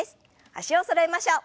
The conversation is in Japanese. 脚をそろえましょう。